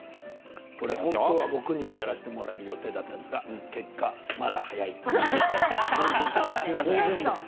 本当は僕にもやらせてもらえる予定だったんですが結果、まだ早いということですね。